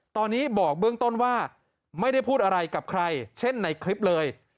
ตอนนี้บอกเบื้องต้นว่าไม่ได้พูดอะไรกับใครเช่นในคลิปเลย